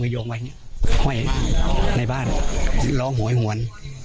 ยงไว้เฮ้ยในบ้านลองหากวร